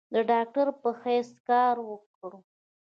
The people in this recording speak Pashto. د ډاکټر پۀ حېث کار اوکړو ۔